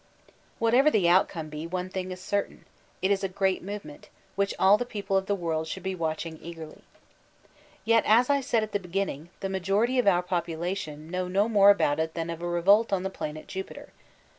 Whatever the outcome be, one thing is certain : it is a great movement, which all the people of the world should be eagerly watching. Yet as I said at the beginning, the majority of our population know no more about it tiban of a revolt on the planet Jupiter.